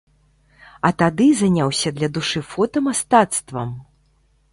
А тады заняўся для душы фотамастацтвам!